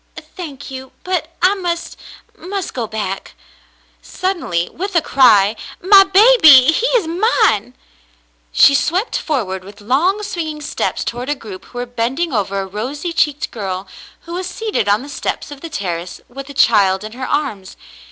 "Thank you — but I must — must go back." Sud denly, with a cry, "My baby, he is mine," she swept forward with long, swinging steps toward a group who were bending over a rosy cheeked girl, who was seated on the steps of the terrace with a child in her arms.